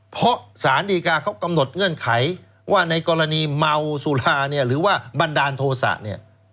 เพราะสารดีกาเขากำหนดเงื่อนไขว่าในกรณีเมาสุราเนี่ยหรือว่าบันดาลโทษะเนี่ย